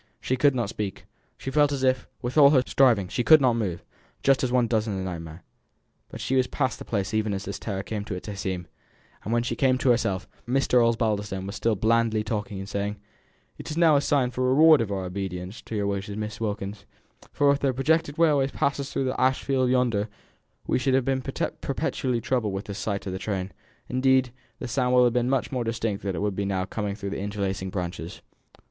She could not speak. She felt as if, with all her striving, she could not move just as one does in a nightmare but she was past the place even as this terror came to its acme; and when she came to herself, Mr. Osbaldistone was still blandly talking, and saying "It is now a reward for our obedience to your wishes, Miss Wilkins, for if the projected railway passes through the ash field yonder we should have been perpetually troubled with the sight of the trains; indeed, the sound would have been much more distinct than it will be now coming through the interlacing branches.